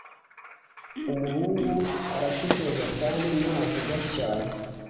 Umuhungu arashishoza kandi ntavuga cyane.